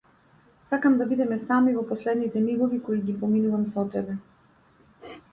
Сакам да бидеме сами во последните мигови кои ги поминувам со тебе.